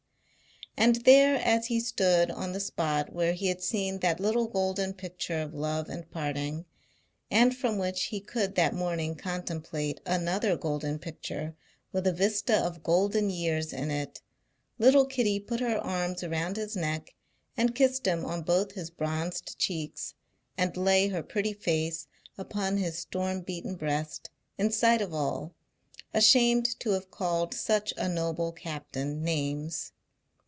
And there as he stood on the spot where he had seen that little golden picture of love and parting, and from which he could that morning contemplate another golden picture with a vista of golden years in it, little Kitty put her arms around his neck, and kissed him on both his bronzed cheeks, and laid her pretty face upon his storm beaten breast, in sight of all, ashamed to have called such a noble captain names.